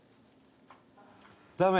ダメ？